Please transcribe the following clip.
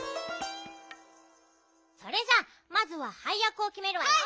それじゃあまずははいやくをきめるわよ。